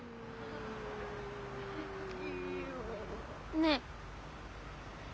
ねえ。